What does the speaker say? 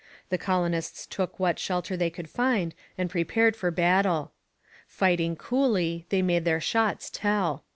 The colonists took what shelter they could find and prepared for battle. Fighting coolly, they made their shots tell.